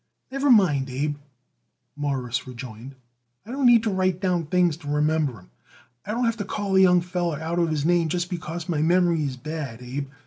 "Never mind, Abe," Morris rejoined. "I don't need to write down things to remember 'em. I don't have to call a young feller out of his name just because my memory is bad, Abe.